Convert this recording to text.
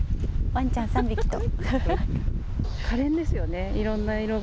わんちゃん３匹と。